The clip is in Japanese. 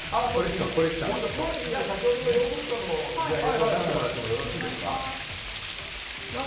先ほどのヨーグルトの映像を出してもらってよろしいですか。